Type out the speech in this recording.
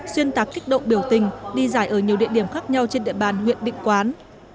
xuyên tạc kích động biểu tình đi giải ở nhiều địa điểm khác nhau trên địa bàn huyện định quán